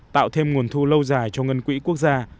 tạo thêm nguồn thu lâu dài cho ngân quỹ quốc gia